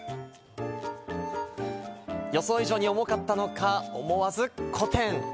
予想以上に重かったのか、思わずこてん。